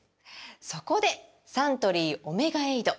そこでサントリー「オメガエイド」！